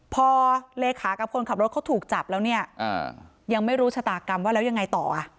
พอเลขากับคนขับรถเขาถูกจับแล้วเนี่ยยังไม่รู้ชะตากรรมว่าแล้วยังไงต่อ